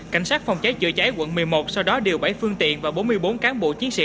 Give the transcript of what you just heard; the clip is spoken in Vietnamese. cảnh sát phòng cháy chữa cháy quận một mươi một sau đó điều bảy phương tiện và bốn mươi bốn cán bộ chiến sĩ